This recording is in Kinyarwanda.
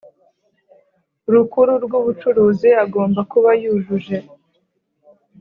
Rukuru rw Ubucuruzi agomba kuba yujuje